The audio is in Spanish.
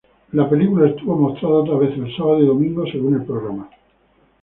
La película estuvo mostrada otra vez el sábado y domingo según el programa.